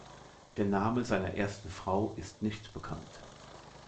Der Name seiner ersten Frau ist nicht bekannt.